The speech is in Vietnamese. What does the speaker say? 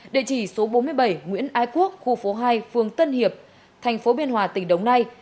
địa chỉ số bốn mươi bảy nguyễn ái quốc khu phố hai phường tân hiệp thành phố biên hòa tỉnh đồng nai